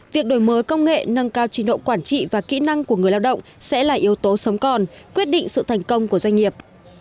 việc đổi mới công nghệ nâng cao trình độ quản trị và kỹ năng của người lao động sẽ là yếu tố sống còn quyết định sự thành công của doanh nghiệp